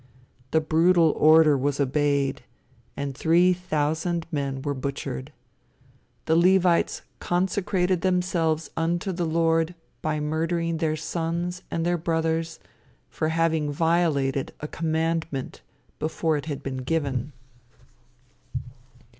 The brutal order was obeyed, and three thousand men were butchered. The Levites consecrated themselves unto the Lord by murdering their sons, and their brothers, for having violated a commandment before it had been given.